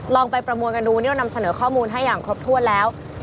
ลองไปประมวลกันดูนี่เรานำเสนอข้อมูลให้อย่างครบถ้วนแล้ว